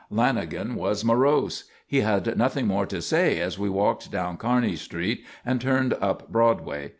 Lanagan was morose. He had nothing more to say as we walked down Kearney street and turned up Broadway.